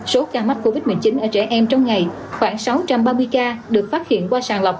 số ca mắc covid một mươi chín ở trẻ em trong ngày khoảng sáu trăm ba mươi ca được phát hiện qua sàng lọc